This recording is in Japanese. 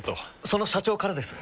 その社長からです。